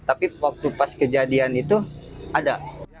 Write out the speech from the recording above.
tapi waktu pas kejadian itu ada